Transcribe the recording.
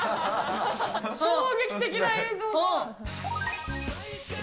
衝撃的な映像が。